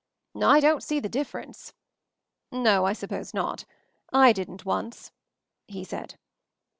"I don't see the difference." "No, I suppose not. I didn't, once," he said.